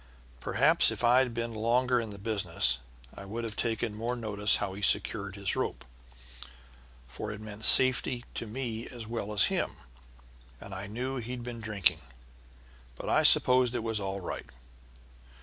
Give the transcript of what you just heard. Perhaps if I'd been longer in the business I would have taken more notice how he secured his rope, for it meant safety to me as well as him, and I knew he'd been drinking, but I supposed it was all right.